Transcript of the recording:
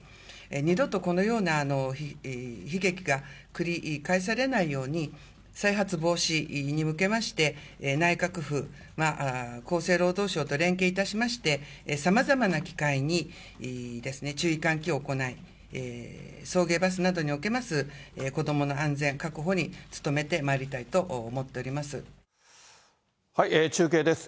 二度とこのような悲劇が繰り返されないように、再発防止に向けまして、内閣府、厚生労働省と連携いたしまして、さまざまな機会に注意喚起を行い、送迎バスなどにおけます、子どもの安全確保に努めてまいりたいと中継です。